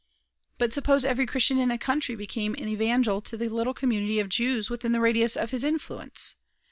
But suppose every Christian in the country became an evangel to the little community of Jews within the radius of his influence.